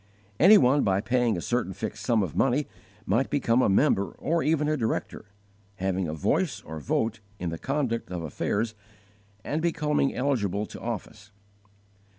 Any one by paying a certain fixed sum of money might become a member or even a director, having a voice or vote in the conduct of affairs and becoming eligible to office.